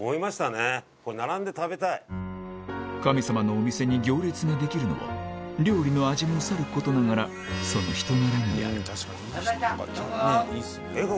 神様のお店に行列ができるのは料理の味もさることながらその人柄にあるありがとうございましたどうも！